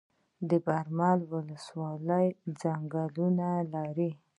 د برمل ولسوالۍ ځنګلونه لري